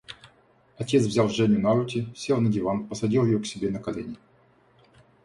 Отец взял Женю на руки, сел на диван, посадил ее к себе на колени.